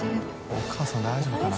お母さん大丈夫かな？